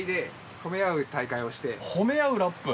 褒め合うラップ。